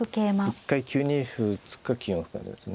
一回９二歩打つか９四歩かですね。